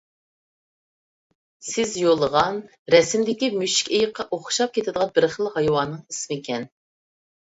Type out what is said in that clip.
سىز يوللىغان رەسىمدىكى مۈشۈكئېيىققا ئوخشاپ كېتىدىغان بىر خىل ھايۋاننىڭ ئىسمىكەن؟